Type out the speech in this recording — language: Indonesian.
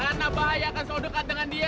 anda bahaya akan sewaktu dekat dengan dia